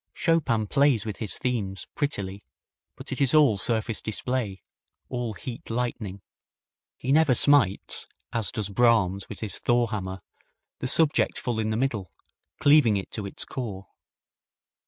Chopin plays with his themes prettily, but it is all surface display, all heat lightning. He never smites, as does Brahms with his Thor hammer, the subject full in the middle, cleaving it to its core.